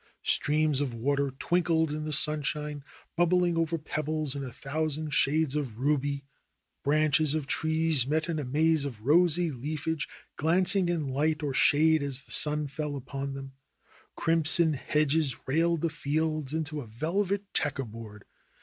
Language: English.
Streams of water twinkled in the sunshine, bubbling over pebbles in a thousand shades of ruby. Branches of trees met in a THE ROSE COLORED WORLD 15 maze of rosy leafage, glancing in light or shade as the sun fell upon them. Crimson hedges railed the fields into a velvet checker board.